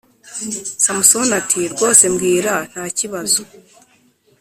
Samusoni ati rwose mbwira nta kibazo